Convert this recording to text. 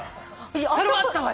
それはあったわよ。